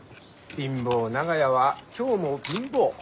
貧乏長屋は今日も貧乏。